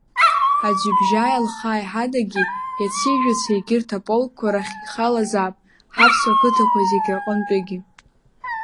Аӡҩыбжьааи Лхааи ҳадагьы иаци жәаци егьырҭ аполкқәа рахь ихалазаап ҳаԥсуа қыҭақәа зегьы рҟынтәигьы.